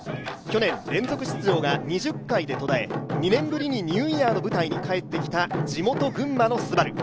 去年、連続出場が２０回で途絶え、２年ぶりにニューイヤーの舞台に帰ってきた地元・群馬のＳＵＢＡＲＵ。